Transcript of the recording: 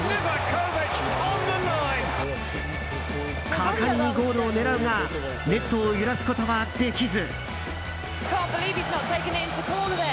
果敢にゴールを狙うがネットを揺らすことはできず。